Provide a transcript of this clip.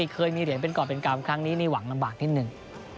เคยมีเหรียญเป็นก่อนเป็นกรรมครั้งนี้นี่หวังลำบากนิดหนึ่ง